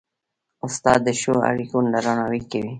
استاد د ښو اړيکو درناوی کوي.